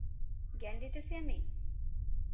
জ্ঞান দিতেছি আমি?